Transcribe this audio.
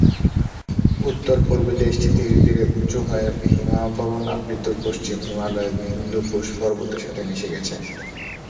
উত্তর-পূর্বে দেশটি ধীরে ধীরে উঁচু হয়ে হিমবাহ-আবৃত পশ্চিম হিমালয়ের হিন্দুকুশ পর্বতের সাথে মিশে গেছে।